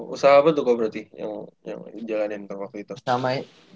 usaha apa tuh koko berarti yang jalanin ke tarkam itu